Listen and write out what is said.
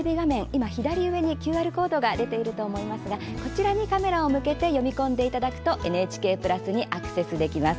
今左上にＱＲコードが出ていると思いますがこちらにカメラを向けて読み込んでいただくとＮＨＫプラスにアクセスできます。